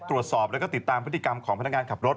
ตรวจสอบแล้วก็ติดตามพฤติกรรมของพนักงานขับรถ